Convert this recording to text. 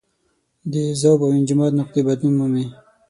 د ذوب او انجماد نقطې بدلون مومي.